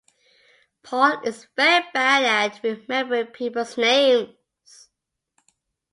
Paul is very bad at remembering people's names.